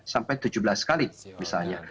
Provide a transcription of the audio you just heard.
sampai tujuh belas kali misalnya